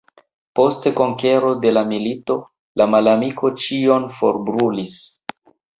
Post konkero de la urbo, la malamiko ĉion forbrulis.